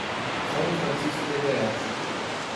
São Francisco de Goiás